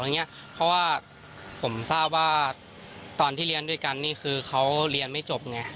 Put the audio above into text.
เพราะว่าผมทราบว่าตอนที่เรียนด้วยกันนี่คือเขาเรียนไม่จบไง